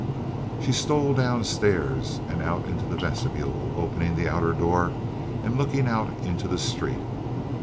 She stole downstairs and out into the vestibule, opening the outer door and looking out into the street.